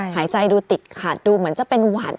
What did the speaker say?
หายใจดูติดขาดดูเหมือนจะเป็นหวาน